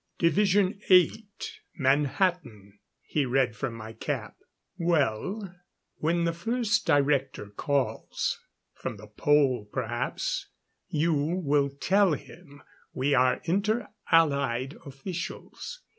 Division 8, Manhattan," he read from my cap. "Well, when the first Director calls from the Pole perhaps you will tell him we are Inter Allied Officials.